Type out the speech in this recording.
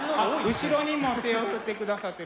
後ろにも手を振ってくださってる。